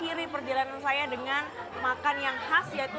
dari pagi banget addresses